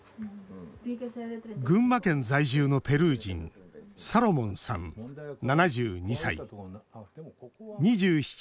群馬県在住のペルー人サロモンさん、７２歳。